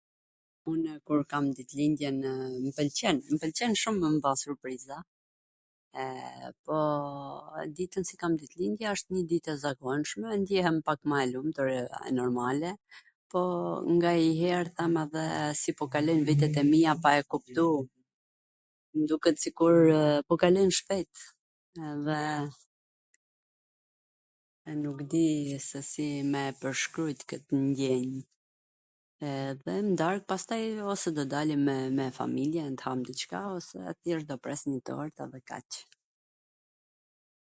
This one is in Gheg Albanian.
Unw kur kam ditlindjenw, mw pwlqen, mw pwlqen shum me m ba surpriza, e, po, ditwn qw kam ditlindje, asht njw dit e zakonshme, ndjehem pak mw e lumtur dhe a normale, po nganjwher them edhe si po kalojn vitet e mia pa e kuptu, m duket sikurw po kalojn shpejt edhe nuk di se si me e pwrshkrujt kwt ndjenj, edhe n dark pastaj ose do dalim me familjen t am diCka ose atje do presim njw tort edhe kaq.